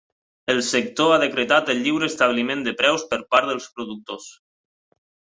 El sector ha decretat el lliure establiment de preus per part dels productors.